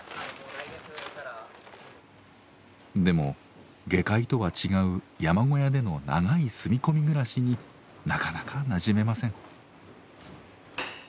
でも下界とは違う山小屋での長い住み込み暮らしになかなかなじめません。